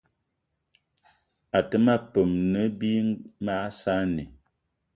Até ma peum ne bí mag saanì